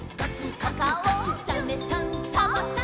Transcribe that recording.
「サメさんサバさん」